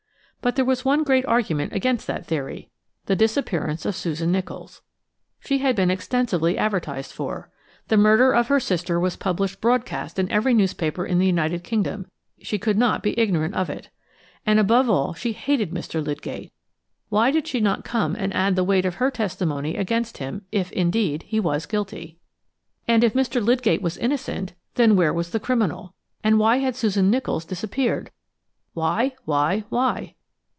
But there was one great argument against that theory–the disappearance of Susan Nicholls. She had been extensively advertised for. The murder of her sister was published broadcast in every newspaper in the United Kingdom–she could not be ignorant of it. And, above all, she hated Mr. Lydgate. Why did she not come and add the weight of her testimony against him if, indeed, he was guilty? And if Mr. Lydgate was innocent, then where was the criminal? And why had Susan Nicholls disappeared? Why? Why? Why?